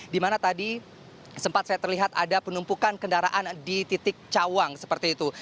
di mana tadi sempat saya terlihat ada penumpukan kendaraan di titik cawang seperti itu